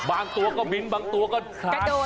บางตัวก็มิ้นบางตัวก็ทาน